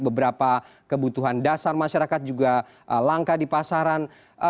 beberapa kebutuhan dasar masyarakat juga langka di pasaran